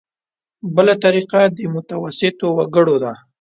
بله طریقه د متوسطو وګړو ده.